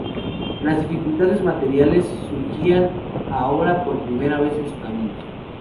Las dificultades materiales surgían ahora por primera vez en su camino.